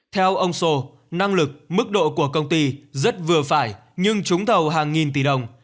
theo ông sô năng lực mức độ của công ty rất vừa phải nhưng trúng thầu hàng nghìn tỷ đồng